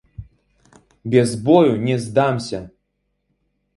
Без бою не здамся!